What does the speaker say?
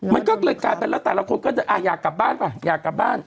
มันก็เลยกลายเป็นแล้วแต่ละคนก็จะอยากกลับบ้านป่ะอยากกลับบ้าน